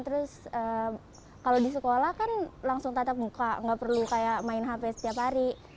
terus kalau di sekolah kan langsung tatap muka nggak perlu kayak main hp setiap hari